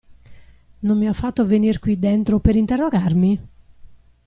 Non mi ha fatto venir qui dentro, per interrogarmi?